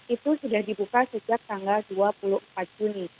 itu sudah dibuka sejak tanggal dua puluh empat juni